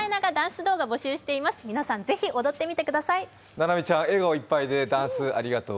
ななみちゃん、笑顔いっぱいでダンスありがとう。